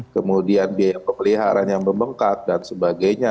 kemudian biaya pemeliharaan yang membengkak dan sebagainya